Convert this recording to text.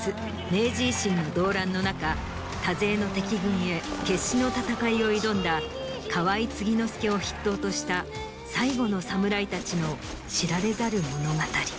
明治維新の動乱の中多勢の敵軍へ決死の戦いを挑んだ河井継之助を筆頭とした最後のサムライたちの知られざる物語。